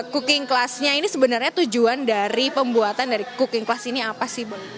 cooking classnya ini sebenarnya tujuan dari pembuatan dari cooking class ini apa sih